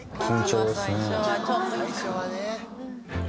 最初はね。